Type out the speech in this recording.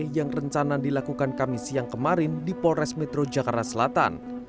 yang rencana dilakukan kami siang kemarin di polres metro jakarta selatan